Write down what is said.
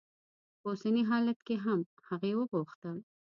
په اوسني حالت کې هم؟ هغې وپوښتل.